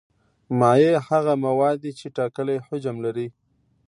مایع هغه مواد دي چې ټاکلی حجم لري.